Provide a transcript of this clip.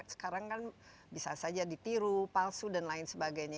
sekarang kan bisa saja ditiru palsu dan lain sebagainya